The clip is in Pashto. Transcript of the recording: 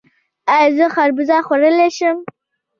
ایا زه خربوزه خوړلی شم؟